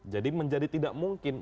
jadi menjadi tidak mungkin